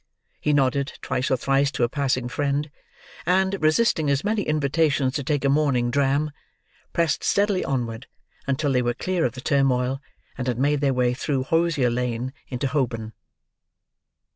He nodded, twice or thrice, to a passing friend; and, resisting as many invitations to take a morning dram, pressed steadily onward, until they were clear of the turmoil, and had made their way through Hosier Lane into Holborn.